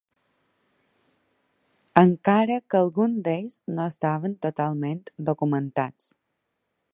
Encara que alguns d'ells no estaven totalment documentats.